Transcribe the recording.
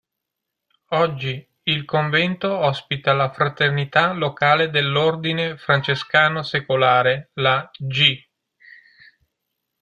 Oggi il convento ospita la fraternità locale dell'Ordine francescano secolare, la Gi.